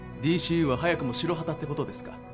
ＤＣＵは早くも白旗ってことですか？